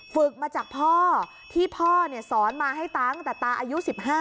ฝึกมาจากพ่อที่พ่อสอนมาให้ตังค์แต่ตาอายุ๑๕